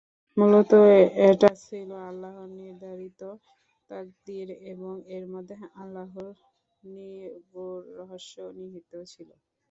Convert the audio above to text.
মূলত এটা ছিল আল্লাহ নির্ধারিত তকদীর এবং এর মধ্যে আল্লাহর নিগূঢ় রহস্য নিহিত ছিল।